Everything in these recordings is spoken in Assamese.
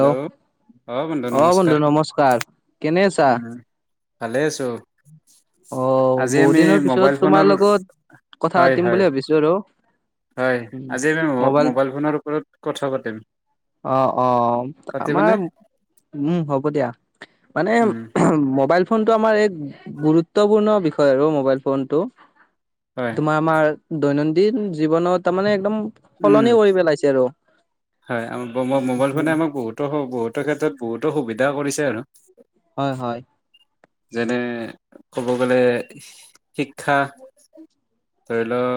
হেল্ল' অ অ বন্ধু নমস্কাৰ নমস্কাৰ কেনে আছা উম ভালে আছো অঁ আজি আমি বহুত দিনৰ মোবাইল পিছত ফোনৰ তোমাৰ লগত কথা হয় পাতিম হয় বুলি ভাবিছো আৰু হয়, উম আজি আমি মোবাইল ফোনৰ ওপৰত কথা পাতিম। অ অ', আমাৰ, পাতিবানে উম হ'ব দিয়া, মানে উম মোবাইল ফোনটো আমাৰ এক গুৰুত্বপূৰ্ণ বিষয় আৰু মোবাইল ফোনটো। হয় তোমাৰ আমাৰ দৈনন্দিন জীৱনত, তাৰমানে একদম উম সলনি কৰি পেলাইছে আৰু। হয়, মোবাইল ফোনে আমাক বহুতো বহুতো ক্ষেত্ৰত বহুতো সুবিধা কৰিছে আৰু। হয় হয়। যেনে ক'ব গ'লে শিক্ষা। ধৰি লও,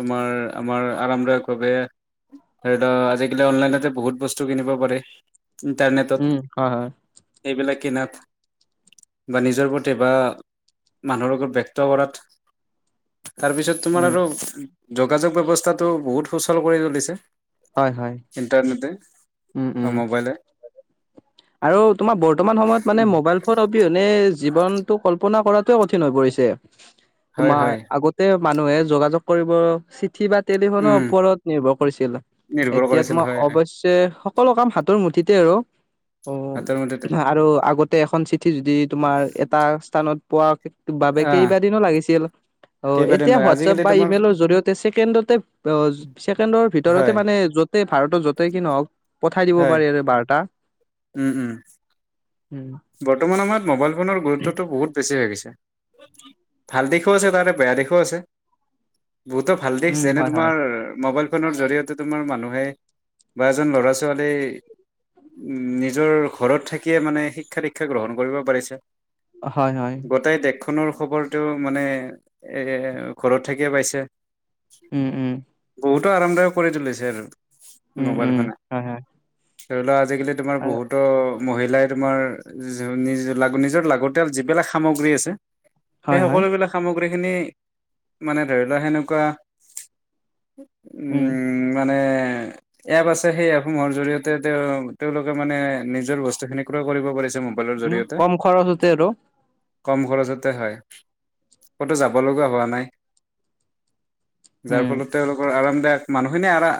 তোমাৰ আমাৰ আৰামদায়ক ভাৱে ধৰি লও আজিকালি অনলাইনতে বহুত বস্তু কিনিব পাৰে উম ইণ্টাৰনেটত হয় হয় এইবিলাক কিনাত বা নিজৰ প্ৰতি বা মানুহৰ লগত ব্যক্ত কৰাত তাৰপিছত তোমাৰ উম আৰু যোগাযোগ ব্যৱস্থাটো বহুত সুচল কৰি তুলিছে হয় হয়। ইণ্টাৰনেটে উম উম বা মোবাইলে। আৰু তোমাৰ বৰ্তমান সময়ত মানে উম মোবাইল অবিহনে জীৱনটো কল্পনা কৰাতে কঠিন হৈ পৰিছে। হয় তোমাৰ হয় আগত তে মানুহে যোগাযোগ কৰিব চিঠি বা টেলিফোনৰ উম ওপৰত নিৰ্ভৰ কৰিছিল, নিৰ্ভৰ এতিয়া কৰিছিল তোমাৰ হয় হয় অৱশ তে সকলো কাম হাতৰ মুঠিতে আৰু। হাতৰ মুঠিতে অ' আৰু আগতে এখন চিঠি যদি তোমাৰ এটা স্থানত পোৱা বাবে আহ কেইবাদিনো লাগিছিল। অ' কেইবাদিন এতিয়া হয় হোৱাটছএপ আজিকালি বা তোমাৰ ইমেইলৰ জৰিয়তে ছেকেণ্ডতে ছেকেণ্ডৰ ভিতৰতে হয় মানে য'ত তে, ভাৰতৰ য'তেই কি নহওক পঠাই দিব হয় পাৰি আৰু বাৰ্তা। উম, উম। উম। বৰ্তমান সময়ত মোবাইল ফোনৰ গুৰুত্বটো বহুত বেছি হৈ গৈছে। ভাল দিশো আছে, তাৰে বেয়া দিশো আছে। বহুতো ভাল দিশ উম, যেনে হয়, হয়, তোমাৰ মোবাইল ফোনৰ জৰিয়তে তোমাৰ মানুহে বা এজন ল'ৰা ছোৱালী উম, নিজৰ ঘৰত থাকিয়ে মানে শিক্ষা দীক্ষা গ্ৰহণ কৰিব পাৰিছে। হয় হয়। গোটেই দেশখনৰ খবৰটো মানে এ, ঘৰত থাকিয়ে পাইছে। উম, উ। বহুতো আৰামদায়ক কৰি তুলিছে [unintelligible] উম, মোবাইল উম, ফোনে। হয়, হয়, ধৰি লোৱা আজিকালি তোমাৰ বহুতো মহিলাই তোমাৰ [unintelligible] নিজৰ লাগতিয়াল যিবিলাক সামগ্ৰী আছে সেই হয়, হয়, সকলোবিলাক সামগ্ৰীখিনি মানে ধৰি লোৱা সেনেকুৱা উ উম, উ, মানে এপ আছে সেই এপসমূহৰ জৰিয়তে তেওঁ তেওঁওলোকে মানে নিজৰ বস্তুখিনি ক্ৰয় কৰিব পাৰিছ। বলৰ উম, জৰিয়তে। কম খৰচতে আৰু। কম খৰচতে হয়। ক'তো যাব লগা হোৱা নাই। যাৰ উম, ফলতে [unintelligible] আৰামদায়ক, মানুহখিনিয়ে আৰা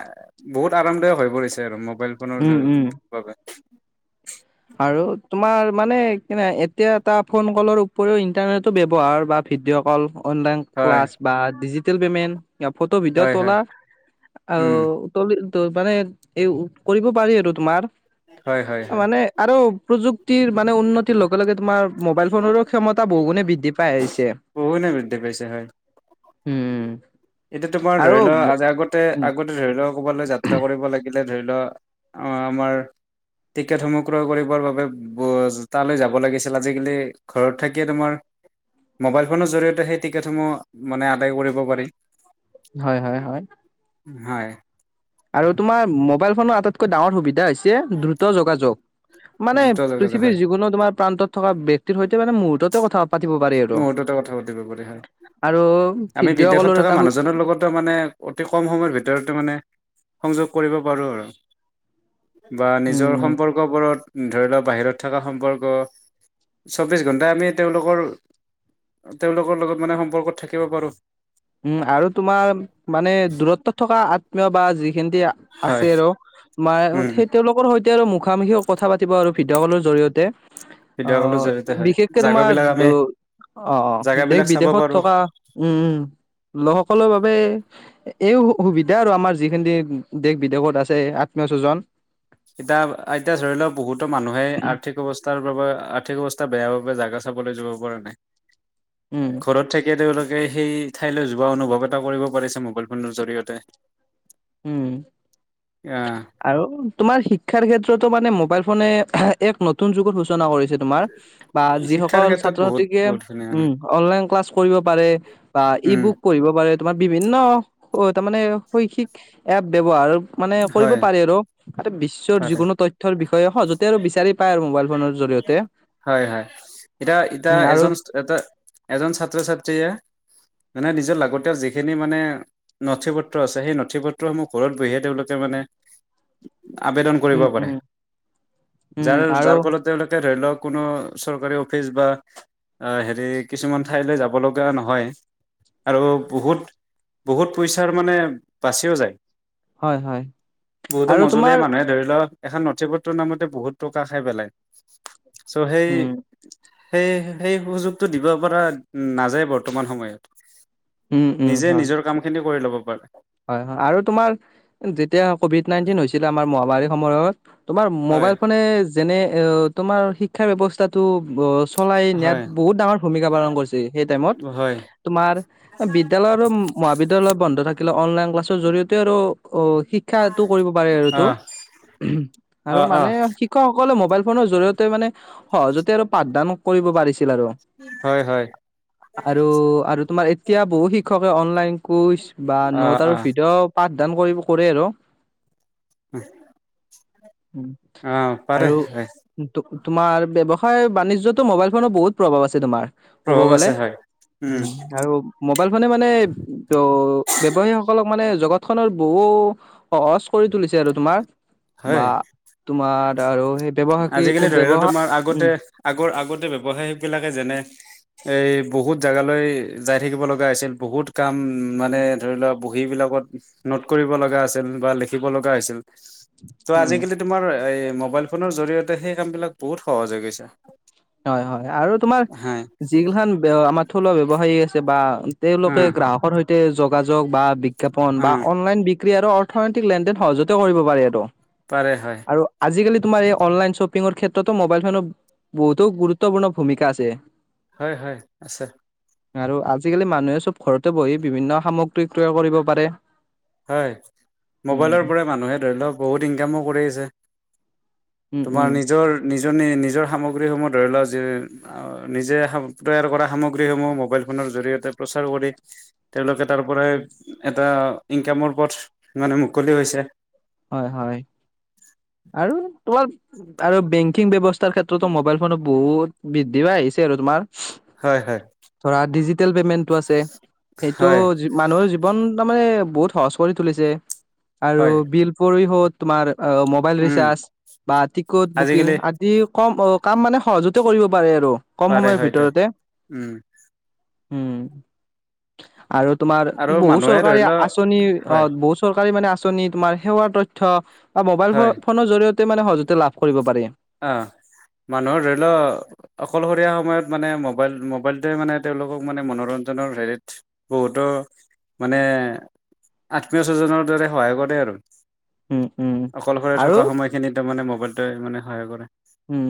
বহুত আৰামদায়ক হৈ পৰিছে আৰু, মোবাইল ফোনৰ উম, উম। জৰি বাবে। আৰু তোমাৰ মানে কিনে, এতিয়া এটা ফোন কলৰ উপৰিও ইন্টাৰনেটো ব্যৱহাৰ বা ভিডিঅ' কল অনলাইন হয় ক্লাছ বা ডিজিটেল পেমেণ্ট, ফটো ভিডিঅ' হয় হয় তোলা উম আৰু [unintelligible] মানে এই কৰিব পাৰি আৰু তোমাৰ, হয় হয় হয় মানে আৰু প্ৰযুক্তিৰ মানে উন্নতিৰ লগে লগে তোমাৰ মোবাইল ফোনৰো ক্ষমতা বহু গুণে বৃদ্ধি পাই আহিছে। বহু [unintelligible] বৃদ্ধে পইছে হয়। উম। এতিয়া তোমাৰ আৰু ধৰি লোৱা আজা আগতে, উম, আগতে ধৰি লোৱা ক'বালৈ যাত্ৰা কৰিব লাগিলে এ, ধৰি লোৱা আমাৰ টিকেটসমূহ ক্ৰয় কৰিবৰ বাবে ব-তালৈ যাব লাগিছিল, আজিকালি ঘৰত থাকি তোমাৰ মোবাইল ফোনৰ জৰিয়তে সেই টিকেটসমূহ মানে আদায় কৰিব পাৰি। হয় হয় হয়। হয়। আৰু তোমাৰ মোবাইল ফোনৰ আটাইতকৈ ডাঙৰ সুবিধা হৈছে। দ্ৰুত যোগাযোগ মানে দ্ৰুত যোগাযোগ হয় পৃথিৱীৰ যিকোনো তোমাৰ প্ৰান্তত থকা বে- সৈতে মানে মুহূৰ্ততে কথা পাতিব পাৰি আৰু মূহুৰ্ততে কথা পাতিব পাৰি হয়। আৰু আমি ভিডিঅ' বিদেশত কলৰ থকা এটা মানুহজনৰ লগতো মানে, অতি কম সময়ৰ ভিতৰতে মানে সংযোগ কৰিব পাৰোঁ আৰু, বা নিজৰ উম, সম্পৰ্ক। গহপুৰত ধৰি লওক বাহিৰত থকা সম্পৰ্ক চৌবিশ ঘণ্টা আমি তেওঁলোকৰ, তেওঁলোকৰ লগত মানে সম্পৰ্কত থাকিব পাৰোঁ। উম' আৰু তোমাৰ মানে দূৰত্বত থকা আত্মীয় বা যিখিনি, হয় আছে আৰু মাই উম সেই তেওঁলোক সৈতে আৰু মুখামুখিও কথা পাতিব আৰু ভিডিঅ' কলৰ জৰিয়তে। ভিডিঅ' কলৰ অ' জৰিয়তে হয় বিশেষকে তোমাৰ জাগাবিলাক আমি অ' দেশ জাগাবিলাক চাব বিদেশত পাৰো থকা। উম' লোকসকলৰ বাবে। এই সুবিধা আৰু আমাৰ যিখিনি দেশ বিদেশত আছে আত্মীয় স্বজন। এতিয়া, এতিয়া ধৰি লওক বহুতো মানুহে আৰ্থিক অৱস্থাৰ বাবে আৰ্থিক অৱস্থা বেয়া বাবে জাগা, চাবলৈ যাব পৰা নাই। উ [unintelligible] ঘৰত থাকি এতিয়া তেওঁলোকে সেই ঠাইলৈ যোৱা অনুভৱ এটা কৰিব পাৰিছে মোবাইল ফোনৰ জৰিয়তে। উম' অ' আৰু তোমাৰ শিক্ষাৰ ক্ষেত্ৰতো মানে মোবাইল ফোনে এক নতুন যুগৰ সূচনা কৰিছিল। তোমাৰ, বা শিক্ষাৰ যিসকল ক্ষেত্ৰত ছাত্ৰ বহুত ছাত্ৰীকে বহুতখিনি উম অনলন ক্লাছ কৰিব পাৰে। বা উম ইবোক পঢ়িব পাৰে, তোমাৰ বিভিন্ন তাৰ মানে শৈক্ষিক এপ ব্যৱহাৰ মানে। কৰিব হয় পাৰে আৰু, আৰু বিশ্বৰ পাৰে যিকোনো তথ্যৰ বিষয়ে সহজতে আৰু বিচাৰি পায় আৰু মোবাইল ফোনৰ জৰিয়তে। হয় হয় এতিয়া উম এতিয়া আৰু এজন, এটা এজন ছাত্ৰ ছাত্ৰীয়ে মানে নিজৰ লাগতিয়াল যিখিনি মানে, নথি পত্ৰ আছে। সেই নথি পত্ৰসমূহ ঘৰত বহিয়ে তেওঁলোকে মানে, আবেদন কৰিব উম পাৰে। উম উম যাৰ আৰু যাৰ, ফলত তেওঁলোকে ধৰি লওক কোনো চৰকাৰী অফিচ বা, আ' হেৰি কিছুমান ঠাইলৈ যাব লগা নহয়। আৰু বহুত, বহুত পইচাৰ মানে বাচিও যায়। হয় হয় বহুতো আৰু তোমাৰ মজলীয়া মানুহে ধৰি ল, এখন নথি পত্ৰৰ নামতে বহুত টকা খাই পেলাই। চ' সেই, উম সেই সেই সুযোগটো দিব পৰা নাযায় বৰ্তমান সময়ত উম উম নিজে হয়। নিজৰ কাম খিনি কৰি ল'ব পাৰে হয় হয় আৰু তোমাৰ যেতিয়া কভিড নাইনটিন হৈছিলে আমাৰ মহামাৰীৰ সময়ত তোমাৰ হয় মোবাইল ফোনে যেনে তোমাৰ শিক্ষাৰ ব্যৱস্থাটো চলাই নিয়াত হয় বহুত ডাঙৰ ভূমিকা পালন কৰিছে সেই টাইমত হয় তোমাৰ বিদ্যালয় আৰু মহাবিদ্যালয় বন্ধ থাকিলে অনলাইন ক্লাছৰ জৰিয়তে আৰু অ শিক শিক্ষাটো কৰিব পাৰে অ আৰুতো আৰু অ অ মানে শিক্ষকসকলে মোবাইল ফোনৰ জৰিয়তে মানে সহজতে আৰু পাঠদান, কৰিব পাৰিছিল আৰু, হয় হয় আৰু আৰু তোমাৰ এতিয়া বহুত শিক্ষকে অনলাইন কোৰ্চ বা অ নোট অ আৰু ভিডিঅ' পাঠদান কৰি কৰে আৰু। হয়। উম'। অ', পাৰে হয় [unintelligible] তোমাৰ ব্যৱসায় বাণিজ্য মোবাইল ফোনৰ বহুত প্ৰভাৱ আছে তোমাৰ ক'ব প্ৰভাৱ গলে আছে হয় উম আৰু মোবাইল ফোনে মানে ব্যৱসায়ীসকলক মানে জগত খনৰ বহু সহজ কৰি তুলিছে আৰু তোমাৰ হয় বা তোমাৰ আৰু সেই আজিকালি ব্যৱসায়ী ধৰি লওঁ ব্যৱহাৰ তোমাৰ আগতে উম আগৰ আগতে ব্যৱসায় বিলাকে যেনে এই বহুত জাগালৈ যাই থাকিব লগা হৈছিল বহুত কাম মানে ধৰি লোৱা বহী বিলাকত নোট কৰিব লগা আছিল বা লিখিব লগা হৈছিল ত' উম আজিকালি তোমাৰ এই মোবাইল ফোনৰ জৰিয়তে সেই কাম বিলাক বহুত সহজ হৈ গৈছে। হয়, হয় আৰু তোমাৰ হয় যিগিলাখান আমাৰ থলুৱা ব্যৱসায়ী আছে বা তেওঁলোকে উম গ্ৰাহকৰ সৈতে যোগাযোগ বা বিজ্ঞাপন বা উম অনলাইন বি ক্ৰিয়া আৰু অৰ্থনৈতিক লেনদেন সহজতে কৰিব পাৰি আৰু। পাৰে হয়। আৰু আজিকালি তোমাৰ এই অনলাইন শ্বপিঙৰ ক্ষেত্ৰতো মোবাইল ফোন বহুতো গুৰুত্বপূৰ্ণ ভূমিকা আছে। হয়, হয় আছে। আৰু আজিকালি মানুহে চব ঘৰতে বহি বিভিন্ন সামগ্ৰী ক্ৰয় কৰিব পাৰে। হয় উম, মোবাইলৰ পৰা মানুহে ধৰি লওক বহুত ইনকামো কৰি আছে। উম, উম। তোমাৰ নিজৰ, নিজৰ নি নিজৰ সামগ্ৰীসমূহ ধৰি লোৱা যি নিজে তৈয়াৰ কৰা সামগ্ৰীসমূহ মোবাইল ফোনৰ জৰিয়তে প্ৰচাৰ কৰি তেওঁলোকে তাৰ পৰাই এটা ইনকামৰ পথ মানে মুকলি হৈছে। হয়, হয় আৰু তোমাৰ আৰু বেংকিং ব্যৱস্থাৰ ক্ষেত্ৰতো মোবাইল ফোনত বহুত বৃদ্ধি আহিছে আৰু তোমাৰ হয়, হয়। ধৰা ডিজিটেল পেমেন্টটো আছে সেইটো হয় মানুহৰ জীৱন তো তাৰ মানে বহুত সহজ কৰি তুলিছে আৰু হয় বিল পৰিহত তোমাৰ মোবাইল উম ৰিচাৰ্জ বা টিকট বুকিং আজিকালি যি কম অ', কাম মানে সহজতে কৰিব পাৰে আৰু কম পাৰে সময়ৰ হয়তো ভিতৰতে উম উম আৰু তোমাৰ আৰু বহু মানুহে ধৰি চৰকাৰী লও আচনি হয় অ', বহু চৰকাৰী মানে আচনি তোমাৰ সেৱা তথ্য বা মোবাইল হয় ফোনৰ জৰিয়তে মানে সহজতে লাভ কৰিব পাৰে। অ', মানুহৰ ধৰি ল অকলশৰীয়া সময়ত মানে মোবাইল মোবাইলটোৱে মানে তেওঁলোকক মানে মনোৰঞ্জনৰ হেৰিত বহুতো মানে আত্মীয় স্বজনৰ দৰে সহায় কৰে আৰু। উম উম অকলশৰে আৰু থকা সময়খিনিত তাৰ মানে মোবাইলটোৱে মানে সহায় কৰে। উম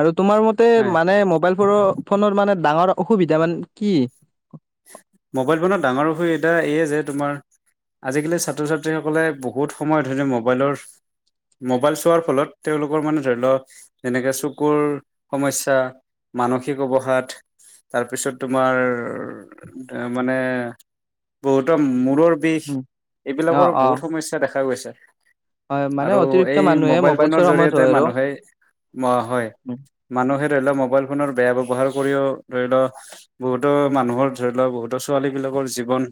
আৰু তোমাৰ মতে হয়। মানে মোবাইল ফ ফোনৰ মানে ডাঙৰ অসুবিধা মানে কি। মোবাইল ফোনত ডাঙৰ অসুবিধা এইয়ে যে তোমাৰ আজিকালি ছাত্ৰ ছাত্ৰীসকলে বহুত সময়ত ধৰিও মোবাইলৰ মোবাইল চোৱাৰ ফলত তেওঁলোকৰ মানে ধৰি লোৱা যেনেকে চকুৰ সমস্যা মানসিক অৱসাদ তাৰপিছত তোমাৰ মানে বহুত মূৰৰ বিষ উম, অ এইবিলাকৰ অ বহুত সমস্যা দেখা গৈছে। হয় মানে আৰু অতিৰিক্ত এই মানুহে মোবাইল চোৱাৰ ফোনৰ সময়ত হয় জৰিয়তে আৰু মানুহে ম হয়- উম, মানুহে ধৰি ল মোবাইল ফোনৰ বেয়া ব্যৱহাৰ কৰিও ধৰি ল বহুতো মানুহৰ- ধৰি লোৱা বহুতো ছোৱালী বিলাকৰ জীৱন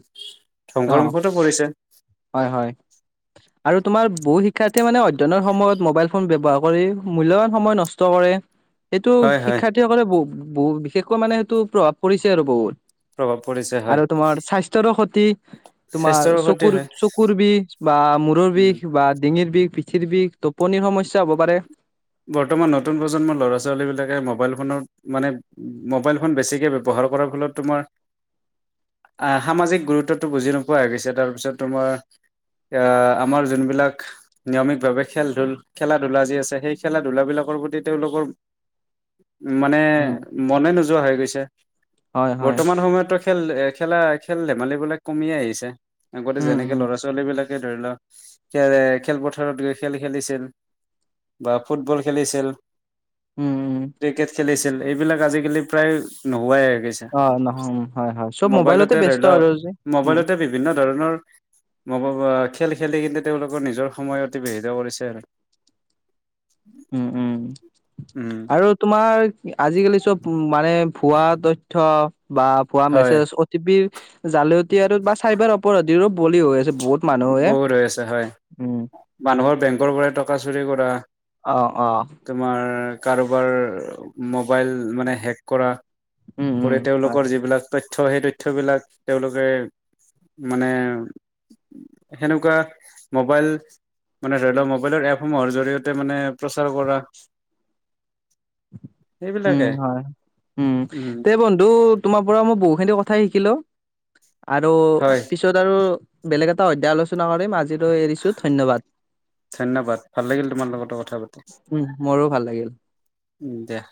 অ ধংখৰমুখতো পৰিছে। হয় হয়। আৰু তোমাৰ বহু শিক্ষাৰ্থীয়ে মানে অধ্যয়নৰ সময়ত মোবাইল ফোন ব্যৱহাৰ কৰি মূল্যৱান সময় নছ- ত কৰে। এইটো হয় হয় শিক্ষাৰ্থীসকলে বু বহু বিশেষকৈ মানে সেইটো প্ৰভাৱ পৰিছে আৰু বহুত। প্ৰভাৱ পৰিছে হয় আৰু তোমাৰ স্বাস্থ্যৰো ক্ষতি। তোমাৰ স্বাস্থ্যৰো ক্ষতি চকুৰ হয় চকুৰ বিষ বা মূৰৰ উম বিষ বা ডিঙিৰ বিষ- পিথিৰ বিষ টোপনিৰ সমস্যা হ'ব পাৰে। বৰ্তমান নতুন প্ৰজন্মৰ ল'ৰা ছোৱালী বিলাকে মোবাইল ফোনত মানে- মোবাইল ফন বেছিকে ব্যৱহাৰ কৰাৰ ফলত তোমাৰ- আহ সামাজিক গুৰুত্বটো বুজি নোপোৱা হৈ গৈছে, তাৰপিছত তোমাৰ- এ আমাৰ যোনবিলাক নিয়মিতভাৱে খেল ধূল খেলা ধূলা যি আছে সেই- খেলা ধূলাবিলাকৰ প্ৰতি তেওঁলোকৰ মানে মনে নোয- যোৱা হৈ গৈছে। হয় হয় বৰ্তমান সময়তো- খেল খেলা খেল ধেমালি বিলাক কমিয়ে আহিছে, আগতে উম যেনেকে উম ল'ৰা ছোৱালী বিলাকে ধৰি ল- খেৰে খেলপথাৰত গৈ খেল খেলিছি- বা ফুটবল খেলিছিল উম উম ক্ৰিকেট খেলিছিল। ছিল এইবিলাক আজিকালি প্ৰায় নোহোৱাই হৈ গৈছে। অ নহয় হয় হয় চব মোবাইলতে ধৰি ব্যস্ত ল আৰু আজি উম মোবাইলতে বিভি- বিভিন্ন ধৰণৰ ম ম খেল খেলি কিন্তু তেওঁলোকৰ নিজৰ সময় অতিবাহিত কৰিছে আৰু। উম উম' উম আৰু- তোমাৰ আজিকালি চব মানে ভুৱা তথ্য বা ভুৱা হয় মেছেজ অ- টি পিৰ জালতি আৰু বা চাইবাৰ অপ- পৰাধিৰো বলি হৈ আছে বহুত মানুহে। বহুত হৈ আছে হয় উম' মানুহৰ বেংকৰ পৰাই টকা চুৰি কৰা। অঁ অঁ' তোমাৰ কাৰোবাৰ মোবাইল মানে হেক কৰা। উম উম কৰে তেওঁলোকৰ যিবিলাক তথ- থ্য সেই তথ্যবিলাক তেওঁলোকে মানে- সেনেকুৱা মোবাইল- মানে ধৰি লও মোবাইলৰ এপসমূহৰ জৰিয়তে মানে প্ৰচাৰ কৰা। উম সেইবিলাকে হয়, উম তে বন্ধু- তোমাৰ পৰা মই বহুখিনি কথাই শিকিলো আৰু হয় পিছ- ছত আৰু বেলেগ এটা অধ্যায় আলোচনা কৰিম আজিলৈ এৰিছো ধন্যবাদ। ধন্যবাদ ভাল লাগিল তোমাৰ লগতো কথা পাতি, উম মোৰো ভাল লাগিল। উম' দিয়া।